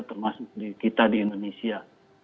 termasuk kita di indonesia